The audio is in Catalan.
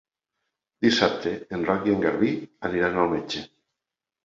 Dissabte en Roc i en Garbí aniran al metge.